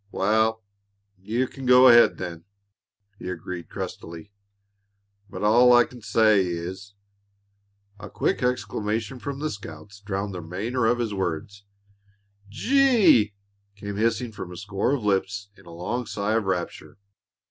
"Wal, you can go ahead, then," he agreed crustily. "But all I can say is " A quick exclamation from the scouts drowned the remainder of his words. "G e e!" came hissing from a score of lips in a long sigh of rapture.